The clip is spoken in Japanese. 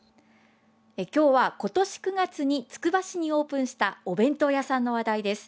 今日は、今年９月につくば市にオープンしたお弁当屋さんの話題です。